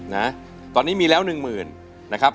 นะตอนนี้มีแล้ว๑๐๐๐๐นะครับ